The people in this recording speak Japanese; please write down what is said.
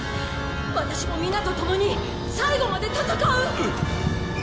ワタシも皆と共に最後まで戦う！